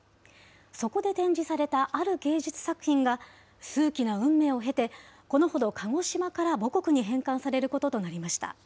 そこで展示されたある芸術作品が、数奇な運命を経て、このほど鹿児島から母国に返還されることとなりました。